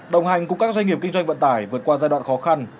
đồng hành cùng các doanh nghiệp kinh doanh vận tải vượt qua giai đoạn khó khăn